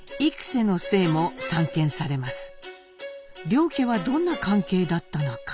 両家はどんな関係だったのか？